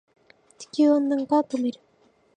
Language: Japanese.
地球温暖化を止める